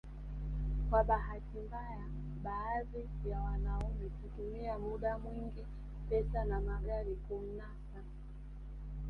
Kwa bahati mbaya baadhi ya wanaume hutumia muda mwingi pesa na magari kumnasa